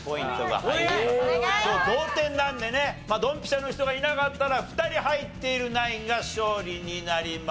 同点なんでねドンピシャの人がいなかったら２人入っているナインが勝利になります。